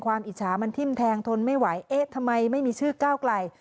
อิจฉามันทิ้มแทงทนไม่ไหวเอ๊ะทำไมไม่มีชื่อก้าวไกล